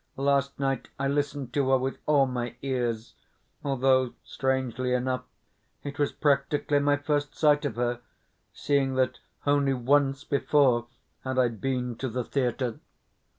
Last night I listened to her with all my ears, although, strangely enough, it was practically my first sight of her, seeing that only once before had I been to the theatre.